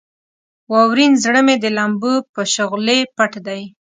واورین زړه مې د لمبو په شغلې پټ دی.